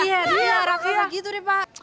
iya iya rakyat gitu deh pak